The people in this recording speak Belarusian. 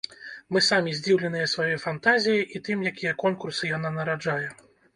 Мы самі здзіўленыя сваёй фантазіяй і тым, якія конкурсы яна нараджае.